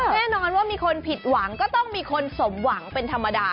แน่นอนว่ามีคนผิดหวังก็ต้องมีคนสมหวังเป็นธรรมดา